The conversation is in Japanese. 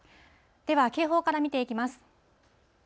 では、警報から見ていきます。